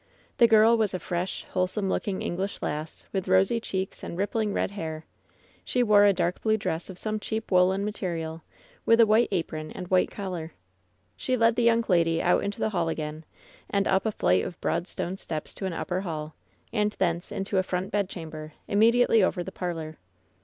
The girl was a fresh, wholesome looking English lass, with rosy cheeks and rippling red hair. She wore a dark blue dress of some cheap woolen material, with a white apron and white collar. She led the young lady out into the hall again, and up a flight of broad stone steps to an upper haU, and thence into a front bed chamber, immediately over the parlor.